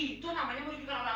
itu namanya merugikan orang lain